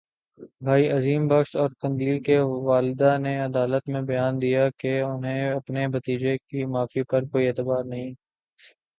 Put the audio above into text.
بھائی عظیم بخش اور قندیل کی والدہ نے عدالت میں بیان دیا کہ انہیں اپنے بھتیجے کی معافی پر کوئی اعتبار نہیں